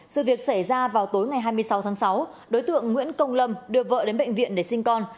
sự việc xảy ra vào tối ngày hai mươi sáu tháng sáu đối tượng nguyễn công lâm đưa vợ đến bệnh viện để sinh con